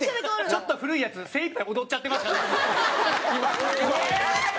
ちょっと古いやつ精いっぱい踊っちゃってましたねそしたら。